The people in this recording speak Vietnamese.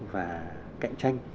và cạnh tranh